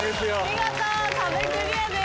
見事壁クリアです。